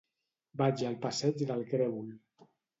Vaig al passeig del Grèvol.